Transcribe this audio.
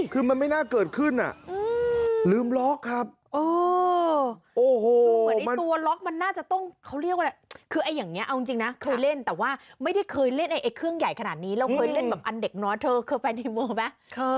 คือแบบนี้เนี่ยเอาจริงนะเคยเล่นแต่ขึ้นใหญ่ขนาดนี้ก็เคยเล่นเกิดเล่นอานเด็กน้อเธอเกิดเกิดใหญ่เก้า